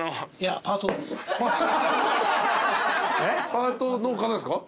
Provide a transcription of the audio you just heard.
パートの方ですか？